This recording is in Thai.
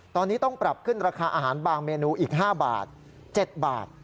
ตอนนี้ต้องปรับขึ้นราคาอาหารบางเมนูอีก๕บาท๗บาท